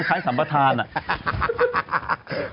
คล้ายสัมปทานน่ะ